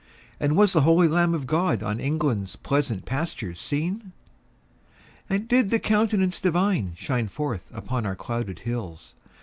And was the holy Lamb of God On England's pleasant pastures seen? And did the Countenance Divine Shine forth upon our clouded hills?